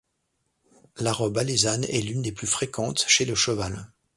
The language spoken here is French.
La robe alezane est l'une des plus fréquentes chez le cheval.